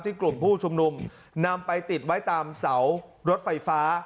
กลุ่มผู้ชุมนุมนำไปติดไว้ตามเสารถไฟฟ้า